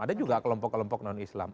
ada juga kelompok kelompok non islam